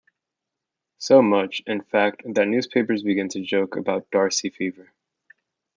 So much, in fact, that newspapers began to joke about 'Darcy fever.